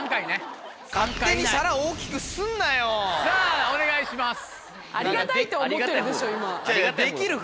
さぁお願いします。